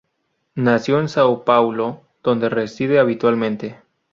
Nació en São Paulo, donde reside habitualmente.